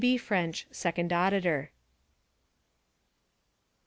B. FRENCH, Second Auditor: V.